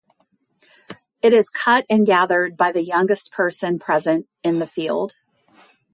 It is cut and gathered by the youngest person present in the field.